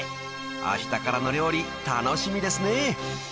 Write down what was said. ［あしたからの料理楽しみですね］